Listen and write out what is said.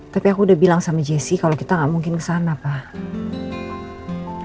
tapi aku udah bilang sama jessey kalau kita gak mungkin kesana pak